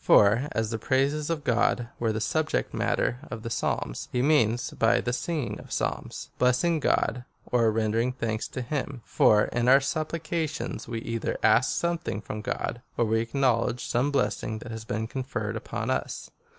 For, as the praises of God were the subject matter of the Psalms, he means by the singing of Psalms'^ — blessing God, or rendering thanks to him, for in our sup plications, we either ask something from God, or we ac knowledge some blessing that has been conferred uj)on us.